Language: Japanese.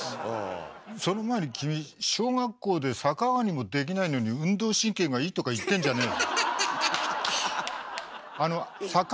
その前に君小学校で逆上がりもできないのに運動神経がいいとか言ってんじゃねえ。